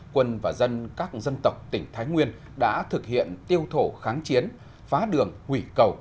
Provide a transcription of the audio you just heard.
quân và dân các dân tộc tỉnh thái nguyên đã thực hiện tiêu thổ kháng chiến phá đường hủy cầu